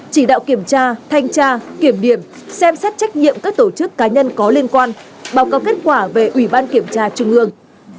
chỉ đạo kiểm tra thanh tra kiểm điểm xem xét trách nhiệm các tổ chức cá nhân có liên quan báo cáo kết quả về ủy ban kiểm tra trung ương